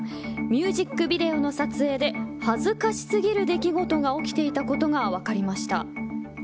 ミュージックビデオの撮影で恥ずかしすぎる出来事が起きていたことが分かりました。